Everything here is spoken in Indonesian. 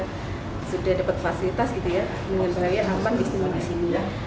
mereka sudah dapat fasilitas dengan bahaya aman di sini